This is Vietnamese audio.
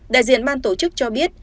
đại diện ban tổ chức cho biết